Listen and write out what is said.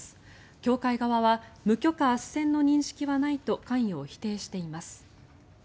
教会側は無許可あっせんの認識はないと関与を否定しています。